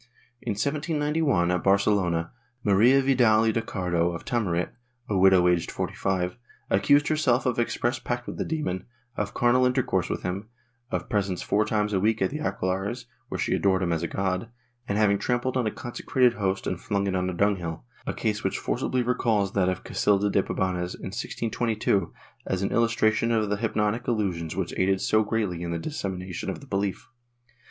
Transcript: In 1791, at Barcelona, Maria Vidal y Decardo of Tamarit, a widow aged 45, accused herself of express pact with the demon, of carnal inter course with him, of presence four times a week at the aquelarres, where she adored him as a God, and of having trampled on a consecrated host and flung it on a dung hill — a case which forcibly recalls that of Casilda de Pabanes, in 1622, as an illustration of the hypnotic illusions which aided so greatly in the dissemination of the belief.